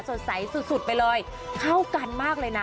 สดใสสุดไปเลยเข้ากันมากเลยนะ